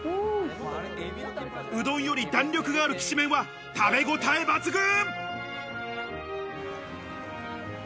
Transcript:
うどんより弾力があるきしめんは、食べごたえ抜群。